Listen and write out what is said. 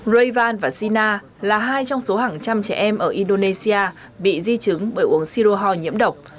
rayvan và sina là hai trong số hàng trăm trẻ em ở indonesia bị di chứng bởi uống siro hor nhiễm độc